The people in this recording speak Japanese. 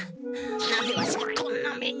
なぜわしがこんな目に。